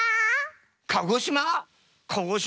鹿児島？